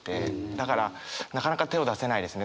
だからなかなか手を出せないですね。